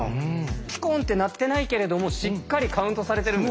ピコンって鳴ってないけれどもしっかりカウントされてるんですね。